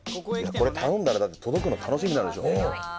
これ頼んだら届くの楽しみになるでしょ。